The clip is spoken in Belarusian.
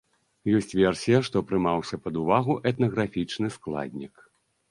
Ёсць версія, што прымаўся пад увагу этнаграфічны складнік.